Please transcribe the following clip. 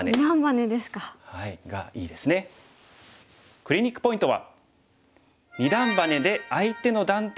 クリニックポイントは。